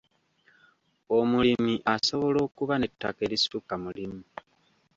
Omulimi asobola okuba n'ettaka erisukka mu limu.